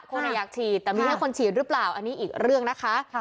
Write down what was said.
คนอยากฉีดแต่มีให้คนฉีดหรือเปล่าอันนี้อีกเรื่องนะคะ